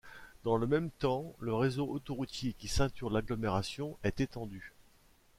Dans le même temps, le réseau autoroutier qui ceinture l'agglomération est étendu.